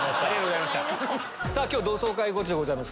今日同窓会ゴチでございます！